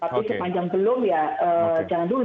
tapi sepanjang belum ya jangan dulu